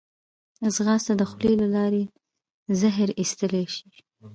ځغاسته د خولې له لارې زهر ایستلی شي